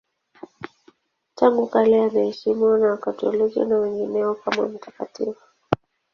Tangu kale anaheshimiwa na Wakatoliki na wengineo kama mtakatifu.